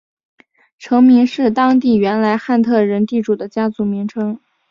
城名是当地原来汉特人地主的家族名称。